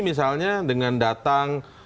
misalnya dengan datang